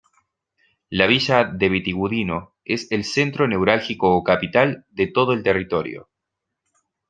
La villa de Vitigudino es el centro neurálgico o capital de todo el territorio.